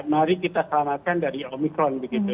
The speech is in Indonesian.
mari kita selamatkan dari omikron begitu